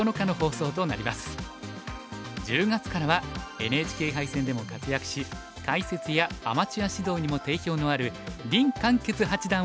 １０月からはＮＨＫ杯戦でも活躍し解説やアマチュア指導にも定評のある林漢傑八段を講師に迎えます。